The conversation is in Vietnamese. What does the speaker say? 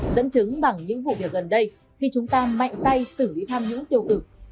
dẫn chứng bằng những vụ việc gần đây khi chúng ta mạnh tay xử lý tham nhũng tiêu cực